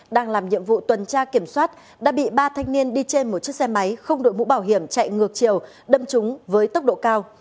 đang làm nhiệm vụ tuần tra kiểm soát đã bị ba thanh niên đi trên một chiếc xe máy không đội mũ bảo hiểm chạy ngược chiều đâm trúng với tốc độ cao